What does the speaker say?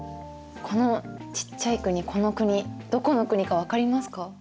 このちっちゃい国この国どこの国か分かりますか？